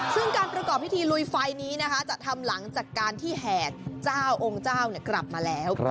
ซึ่งการประกอบพิธีลุยไฟนี้นะคะจะทำหลังจากการที่แห่เจ้าองค์เจ้ากลับมาแล้ว